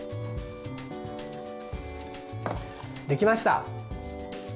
できました。